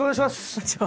こんにちは。